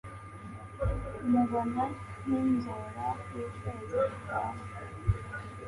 umubona nk'inzora y'ukwezi gutaha